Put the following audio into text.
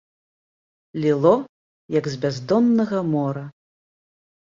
Ліло, як з бяздоннага мора.